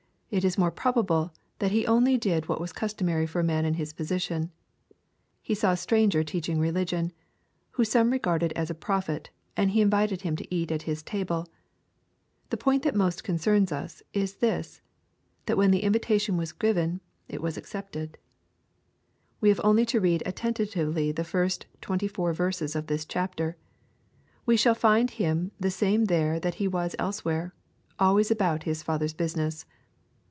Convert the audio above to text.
It is more probable that he only did what was custom ary for a man in his position. He saw a stranger teach ing religion, whom some regarded as a prophet, and he invited Him to eat at his table. The point that most concerns us, is this, that when the invitation was given it was accepted. If we want to know how our Lord carried Himself at a Pharisee's table, we have only to read attentively the first twenty four verses of this chapter. We shall find Him the same there that He was elsewhere, always about His Father's business.